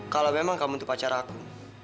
kalau memang kamu tuh pacar aku